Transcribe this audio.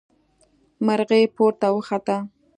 مرغۍ پورته وخته.